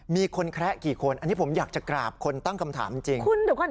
มีคนแคละกี่คนอันนี้ผมอยากจะกราบคนตั้งคำถามจริง